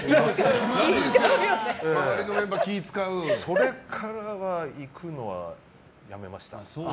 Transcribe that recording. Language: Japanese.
それからは行くのはやめました。